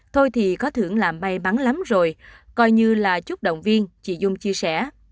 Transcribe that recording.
thôi thì có thưởng làm may mắn lắm rồi coi như là chúc động viên chị dung chia sẻ